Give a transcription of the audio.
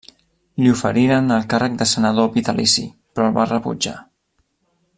Li oferiren el càrrec de senador vitalici, però el va rebutjar.